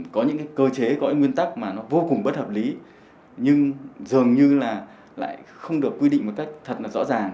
có những cái cơ chế có nguyên tắc mà nó vô cùng bất hợp lý nhưng dường như là lại không được quy định một cách thật là rõ ràng